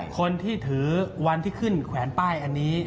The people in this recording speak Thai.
คนที่ถือวันที่ขึ้นแขวนป้ายอันนี้